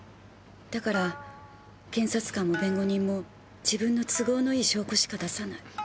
だから検察官も弁護人も自分の都合のいい証拠しか出さない。